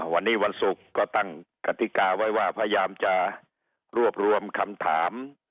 วันนี้วันศุกร์ก็ตั้งกติกาไว้ว่าพยายามจะรวบรวมคำถาม